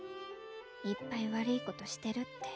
いっぱいわるいことしてるって。